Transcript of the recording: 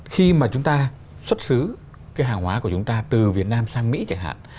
khi mà chúng ta xuất xứ cái hàng hóa của chúng ta từ việt nam sang mỹ chẳng hạn